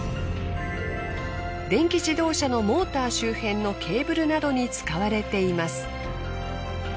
電気自動車のモーター周辺のケーブルなどに使われています。